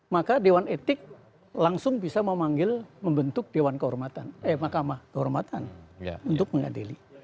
maka dewan etik langsung bisa memanggil membentuk dewan kehormatan eh mahkamah kehormatan untuk mengadili